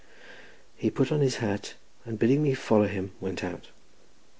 He put on his hat, and bidding me follow him, went out.